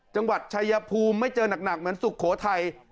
จังหวัดชายพูมไม่เจอหนักเหมือนสุโขชราชชีวิตไทย